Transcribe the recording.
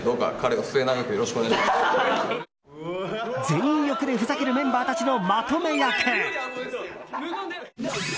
全力でふざけるメンバーたちのまとめ役。